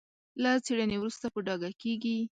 له څېړنې وروسته په ډاګه کېږي.